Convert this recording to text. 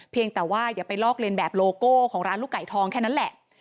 เพียงแต่ว่าอย่าไปลอกเลียนแบบโลโก้ของร้านลูกไก่ทองแค่นั้นแหละ